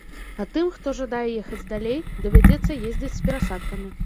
А тым, хто жадае ехаць далей, давядзецца ездзіць з перасадкамі.